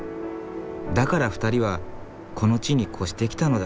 だから２人はこの地に越してきたのだ。